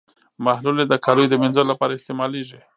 محلول یې د کالیو د مینځلو لپاره استعمالیږي.